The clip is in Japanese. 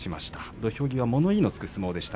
土俵際、物言いがつく相撲でした。